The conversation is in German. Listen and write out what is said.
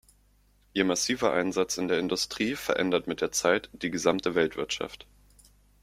Ihr massiver Einsatz in der Industrie verändert mit der Zeit die gesamte Weltwirtschaft.